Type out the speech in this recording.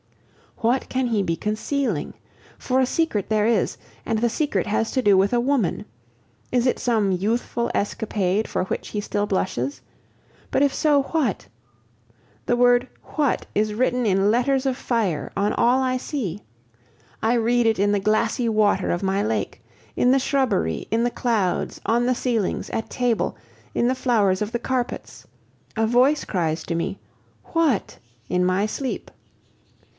What can he be concealing? For a secret there is, and the secret has to do with a woman. Is it some youthful escapade for which he still blushes? But if so, what? The word what is written in letters of fire on all I see. I read it in the glassy water of my lake, in the shrubbery, in the clouds, on the ceilings, at table, in the flowers of the carpets. A voice cries to me what? in my sleep.